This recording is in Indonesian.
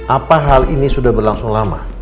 apa hal ini sudah berlangsung lama